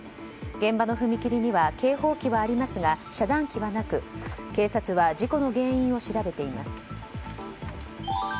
現場の踏切には警報機はありますが遮断機はなく警察は事故の原因を調べています。